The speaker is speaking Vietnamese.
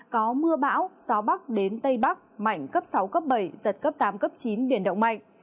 có mưa bão gió bắc đến tây bắc mạnh cấp sáu cấp bảy giật cấp tám cấp chín biển động mạnh